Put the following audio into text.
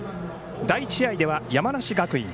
第１試合では山梨学院。